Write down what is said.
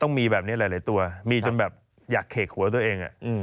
ต้องมีแบบนี้หลายหลายตัวมีจนแบบอยากเขกหัวตัวเองอ่ะอืม